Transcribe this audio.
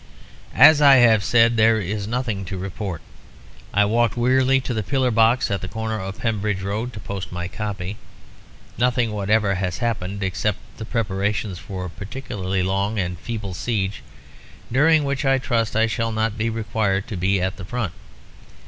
"As I have said, there is nothing to report. I walk wearily to the pillar box at the corner of Pembridge Road to post my copy. Nothing whatever has happened, except the preparations for a particularly long and feeble siege, during which I trust I shall not be required to be at the Front.